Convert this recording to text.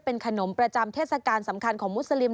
เป็นขนมประจำเทศกาลสำคัญของมุสลิม